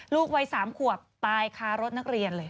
ลูกวัย๓ขวบตายคารถนักเรียนเลย